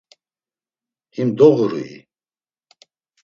Him doğurui?